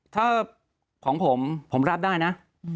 ถ้าของผมผมรับได้นะ